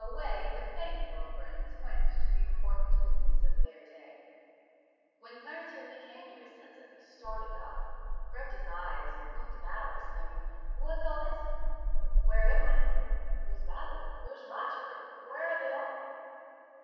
Away the faithful friends went to the important business of their day. When Clarence Hervey came to his senses he started up, rubbed his eyes, and looked about, exclaiming "What's all this? Where am I? Where's Baddely? Where's Rochfort? Where are they all?"